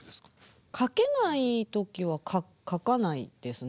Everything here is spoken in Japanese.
書けない時は書かないです